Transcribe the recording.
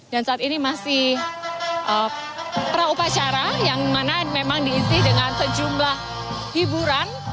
dan saat ini masih praupacara yang mana memang diisi dengan sejumlah hiburan